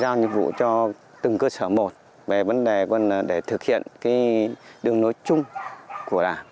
giao nhiệm vụ cho từng cơ sở một về vấn đề để thực hiện đường nối chung của đảng